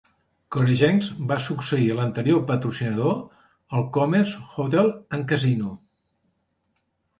Coregenx va succeir l'anterior patrocinador, el Commerce Hotel and Casino.